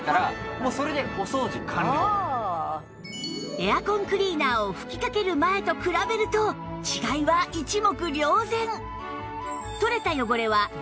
エアコンクリーナーを吹きかける前と比べると違いは一目瞭然